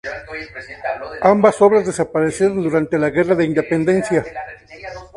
Ambas obras desaparecieron durante la Guerra de la Independencia.